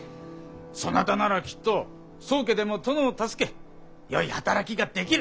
そなたならきっと宗家でも殿を助けよい働きができる。